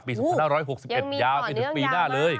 ปี๒๕๖๑ยาวไปถึงปีหน้าเลย